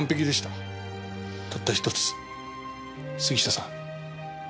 たった１つ杉下さん